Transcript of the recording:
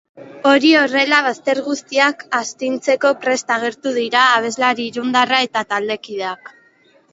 Hori horrela, bazter guztiak astintzeko prest agertu dira abeslari irundarra eta taldekideak.